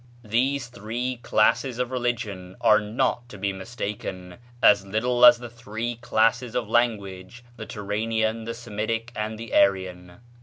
"These three classes of religion are not to be mistaken as little as the three classes of language, the Turanian, the Semitic, and the Aryan.